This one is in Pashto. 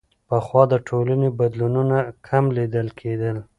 پخوا د ټولنې بدلونونه کم لیدل کېدل.